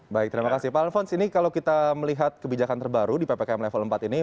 baik terima kasih pak alfons ini kalau kita melihat kebijakan terbaru di ppkm level empat ini